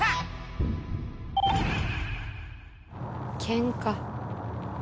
けんか。